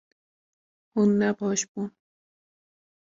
Hûn ne baş bûn